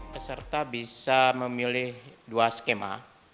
peserta bisa memilih dua skema